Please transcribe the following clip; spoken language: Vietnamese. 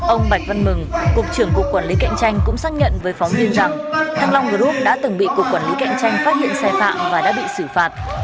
ông bạch văn mừng cục trưởng cục quản lý cạnh tranh cũng xác nhận với phóng viên rằng thăng long group đã từng bị cục quản lý cạnh tranh phát hiện sai phạm và đã bị xử phạt